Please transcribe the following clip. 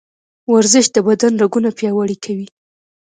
ورزش د بدن رګونه پیاوړي کوي.